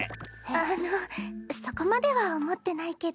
あのそこまでは思ってないけど。